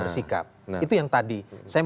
bersikap itu yang tadi saya